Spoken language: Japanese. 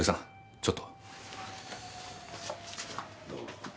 ちょっと。